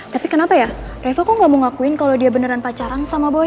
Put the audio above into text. tapi kenapa ya revo kok gak mau ngakuin kalau dia beneran pacaran sama boy